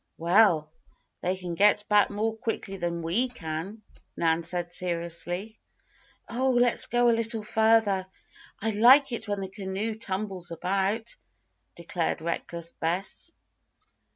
"Well, they can get back more quickly than we can," Nan said seriously. "Oh, let's go a little farther. I like it when the canoe tumbles about," declared reckless Bess.